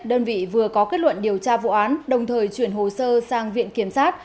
đơn vị vừa có kết luận điều tra vụ án đồng thời chuyển hồ sơ sang viện kiểm sát